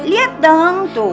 lihat dong tuh